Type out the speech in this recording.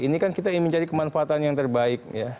ini kan kita ingin mencari kemanfaatan yang terbaik